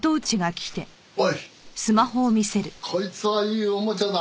おいこいつはいいおもちゃだ。